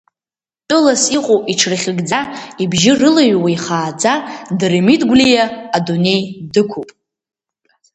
Тәылас иҟоу иҽырхьыгӡа, ибжьы рылаҩуа ихааӡа, Дырмит Гәлиа адунеи дықәуп!